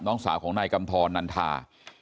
น้องสาวของนายกำทรนันทา